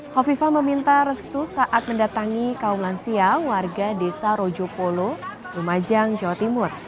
kofifa meminta restu saat mendatangi kaum lansia warga desa rojo polo lumajang jawa timur